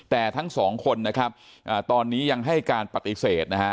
แต่ทั้งสองคนนะครับตอนนี้ยังให้การปฏิเสธนะฮะ